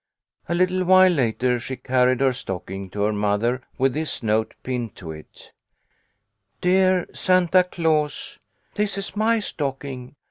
A little while later she carried her stocking to her mother with this note pinned to it :" DEAR SANTA CLAUS : This is my stocking.